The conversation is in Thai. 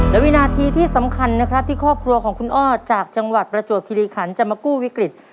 และวินาทีที่สำคัญนะครับที่ครอบครัวของคุณอ้อจากจังหวัดประจวบคิริขันจะมากู้วิกฤต